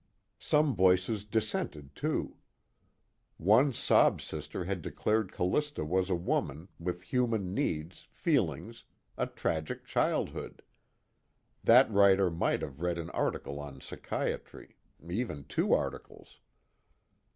Some voices dissented, too. One sob sister had declared Callista was a woman, with human needs, feelings, a tragic childhood. That writer might have read an article on psychiatry even two articles.